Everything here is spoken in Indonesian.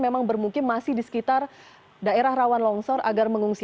memang bermukim masih di sekitar daerah rawan longsor agar mengungsi